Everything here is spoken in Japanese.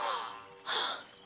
はあ。